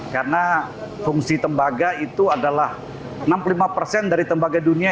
karena fungsi tembaga itu adalah enam puluh lima persen dari tembaga dunia